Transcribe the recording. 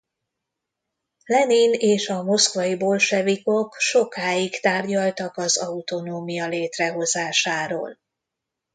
Lenin és a moszkvai bolsevikok sokáig tárgyaltak az autonómia létrehozásáról.